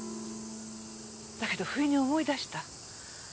だけどふいに思い出した。